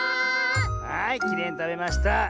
はいきれいにたべました！